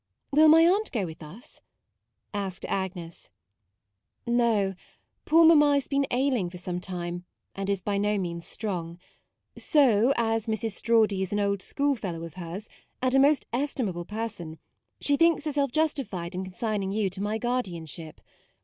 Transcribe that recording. " Will my aunt go with us ?" asked Agnes. " No. Poor mamma has been ailing for some time and is by no MAUDE 47 means strong; so as Mrs. Strawdy is an old schoolfellow of hers, and a most estimable person, she thinks herself justified in consigning you to my guardianship.